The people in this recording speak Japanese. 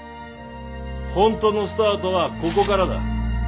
本当のスタートはここからだ。